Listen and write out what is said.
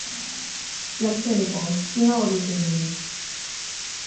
jan Seni o, sina o lukin e ni.